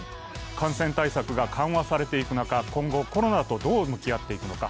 感染対策が緩和されていく中、今後コロナとどう向き合っていくのか。